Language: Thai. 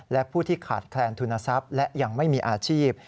และผู้ที่ขาดแคลนทุนทรัพย์และยังไม่มีอาชีพ